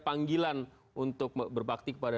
panggilan untuk berbakti kepada